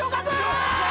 よっしゃ！